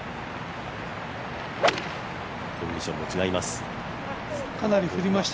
コンディションも違います。